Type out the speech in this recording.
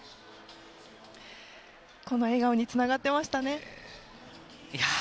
この笑顔につながってましたね。